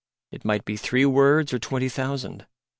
It might be three words or twenty thousand.